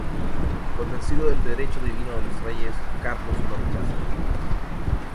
Convencido del derecho divino de los reyes, Carlos lo rechaza.